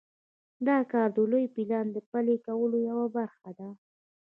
دا کار د لوی پلان د پلي کولو یوه برخه ده.